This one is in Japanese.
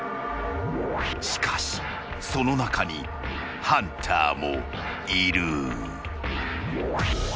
［しかしその中にハンターもいる］